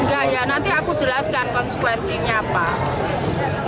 nggak ya nanti aku jelaskan konsekuensinya pak